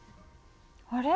あれ？